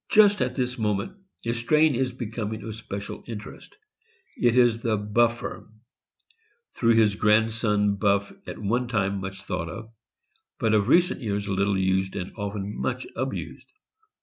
Just at this moment a strain is becoming of special interest; it is the Buffer, through his grandson Buff — at one time much thought of, but of recent years little used and often much abused.